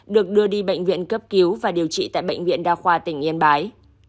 được đưa đi bệnh viện cấp cứu và điều trị tại bệnh viện đa khoa tỉnh yên bái